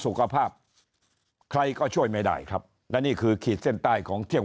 สุขภาพใครก็ช่วยไม่ได้ครับและนี่คือขีดเส้นใต้ของเที่ยง